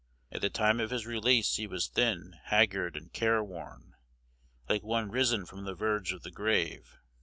At the time of his release he was thin, haggard, and careworn, like one risen from the verge of the grave.